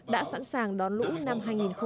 đã sẵn sàng đón lũ năm hai nghìn một mươi bảy